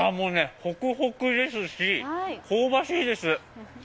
ホクホクですし、香ばしいです。